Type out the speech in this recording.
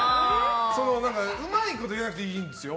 うまいこと言わなくていいんですよ。